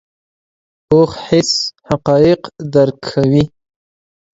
پوخ حس حقایق درک کوي